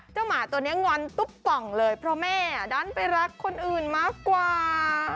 หมาตัวนี้งอนตุ๊บป่องเลยเพราะแม่ดันไปรักคนอื่นมากกว่า